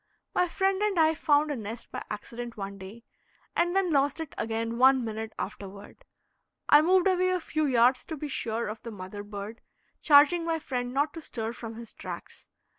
My friend and I found a nest by accident one day, and then lost it again one minute afterward. I moved away a few yards to be sure of the mother bird, charging my friend not to stir from his tracks.